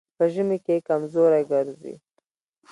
په ژمي کې کمزوری ګرځي.